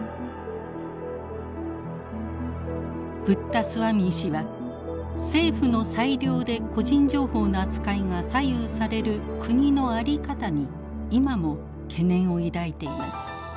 プッタスワミー氏は政府の裁量で個人情報の扱いが左右される国の在り方に今も懸念を抱いています。